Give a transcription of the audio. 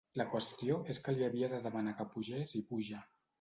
La qüestió és que li havia de demanar que pugés i puja.